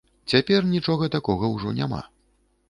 Цяпер нічога такога ўжо няма.